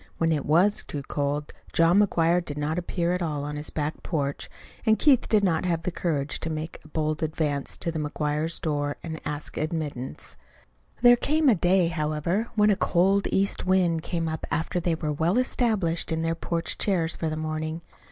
When it was too cold, John McGuire did not appear at all on his back porch, and Keith did not have the courage to make a bold advance to the McGuire door and ask admittance. There came a day, however, when a cold east wind came up after they were well established in their porch chairs for the morning.